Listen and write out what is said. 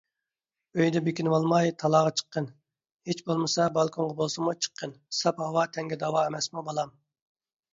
ئۆيدە بېكىنىۋالماي، تالاغا چىققىن. ھىچ بولمىسا بالكۇنغا بولسىمۇ چىققىن، ساپ ھاۋا تەنگە داۋا ئەمەسمۇ بالام.